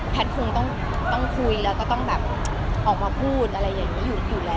คงต้องคุยแล้วก็ต้องแบบออกมาพูดอะไรอย่างนี้อยู่แล้ว